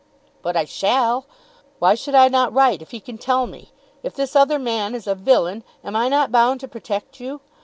"But I shall. Why should I not write if he can tell me? If this other man is a villain am I not bound to protect you?